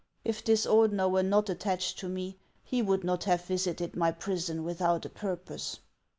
If this Ordener were not attached to me, he would not have visited my prison without a purpose."